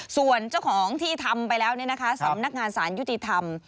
ส่วนเจ้าของที่ทำไปแล้วสำนักงานสารยุติธรรม